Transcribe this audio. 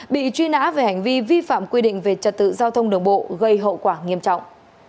bị truy nã về hành vi vi phạm quy định về trật tự giao thông đường bộ gây hậu quả nghiêm trọng